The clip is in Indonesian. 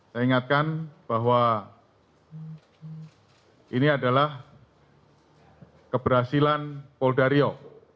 saya ingatkan bahwa ini adalah keberhasilan poldario